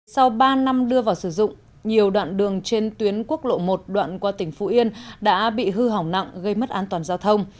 sau ba năm đưa vào sử dụng nhiều đoạn đường trên tuyến quốc lộ một đoạn qua tỉnh phú yên đã bị hư hỏng nặng gây mất an toàn giao thông